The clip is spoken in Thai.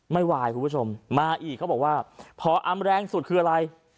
ไม่ไหวคุณผู้ชมมาอีกเขาบอกว่าพออำแรงสุดคืออะไร